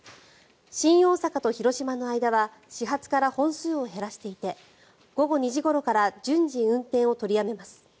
新大阪と広島の間は始発から本数を減らしていて午後２時ごろから順次運転を取りやめます。